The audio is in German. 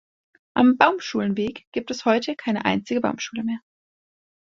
Am Baumschulenweg gibt es heute keine einzige Baumschule mehr.